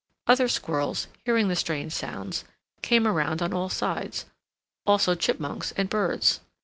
Other squirrels, hearing the strange sounds, came around on all sides, also chipmunks and birds.